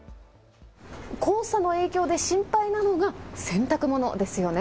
黄砂の影響で心配なのが洗濯物ですよね。